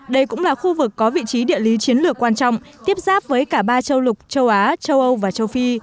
đây cũng là khu vực có vị trí địa lý chiến lược quan trọng tiếp giáp với cả ba châu lục châu á châu âu và châu phi